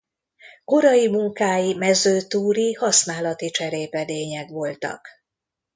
Korai munkái mezőtúri használati cserépedények voltak.